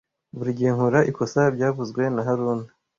Buri gihe nkora ikosa byavuzwe na haruna